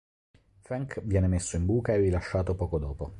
Frank viene messo in buca e rilasciato poco dopo.